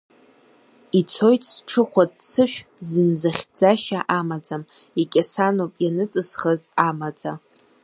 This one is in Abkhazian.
Ицоит сҽыхәа-ццышә, зынӡа хьӡашьа амаӡам, икьасаноуп ианаҵысхыз амаӡа.